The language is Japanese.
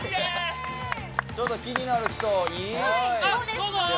ちょっと気になる人、いい？